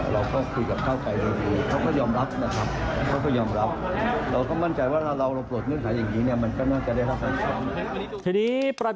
เราก็คุยกับท่าวไก่โดยคือเขาก็ยอมรับนะครับ